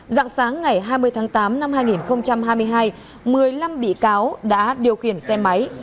dạng sáng ngày hai mươi tháng tám năm hai nghìn hai mươi hai một mươi năm bị cáo đã điều khiển xe máy